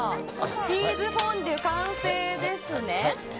チーズフォンデュ、完成ですね。